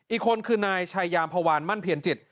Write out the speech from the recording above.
อีกคนคือนายชายามพวานมั่นเพียรจิต